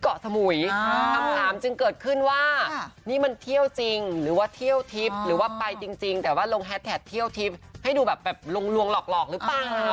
เกาะสมุยคำถามจึงเกิดขึ้นว่านี่มันเที่ยวจริงหรือว่าเที่ยวทิพย์หรือว่าไปจริงแต่ว่าลงแฮดแท็กเที่ยวทิพย์ให้ดูแบบลวงหลอกหรือเปล่า